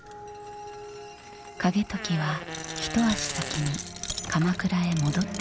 景時は一足先に鎌倉へ戻ってきている。